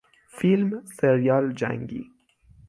فیلم سریال جنگی